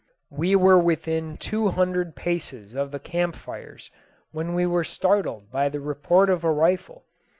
We were within two hundred paces of the camp fires when we were startled by the report of a rifle.